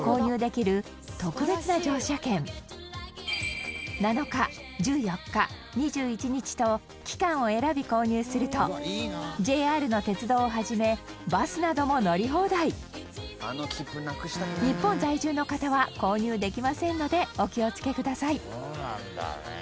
それが７日、１４日、２１日と期間を選び、購入するとＪＲの鉄道をはじめバスなども乗り放題日本在住の方は購入できませんのでお気を付けください